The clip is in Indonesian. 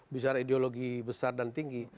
bicara ideologi besar dan tinggi